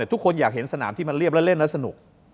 ทุกคนอยากเห็นสนามที่มันเรียบแล้วเล่นแล้วสนุก